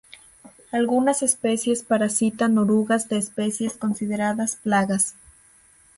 Algunas especies parasitan orugas de especies consideradas plagas.